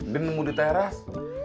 din mau di teras